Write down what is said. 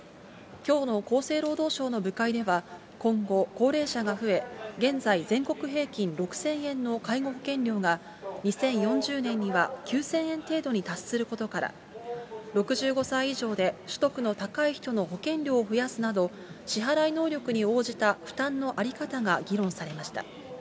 きょうの厚生労働省の部会では、今後、高齢者が増え、現在、全国平均６０００円の介護保険料が、２０４０年には９０００円程度に達することから、６５歳以上で、所得の高い人の保険料を増やすなど、支払い能力に応じた負担の在り方が議論されました。